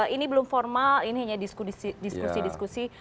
ini belum formal ini hanya diskusi diskusi